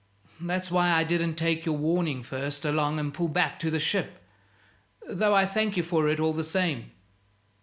That's why I didn't take your warning first along and pull back to the ship though I thank you for it all the same."